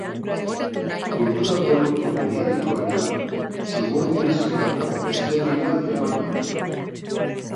Kultura-produktu mediatikoetan, subordinaziorako hezten dira emakumeak.